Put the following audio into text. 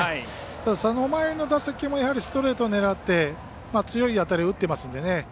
その前の打席もやはりストレートを狙って強い当たりを打っていますんでね。